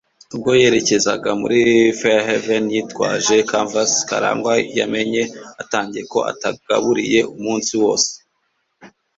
Ubwo yerekezaga muri Fairhaven yitwaje canvas, Karangwa yamenye atangiye ko atagaburiye umunsi wose.